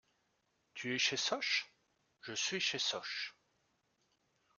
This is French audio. Tu es chez Sosh? Je suis chez Sosh.